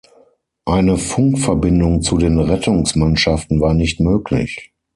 Eine Funkverbindung zu den Rettungsmannschaften war nicht möglich.